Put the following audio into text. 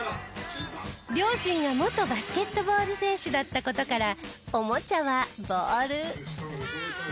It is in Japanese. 両親が元バスケットボール選手だった事からおもちゃはボール。